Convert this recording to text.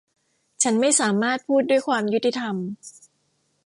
ฉันไม่สามารถพูดด้วยความยุติธรรม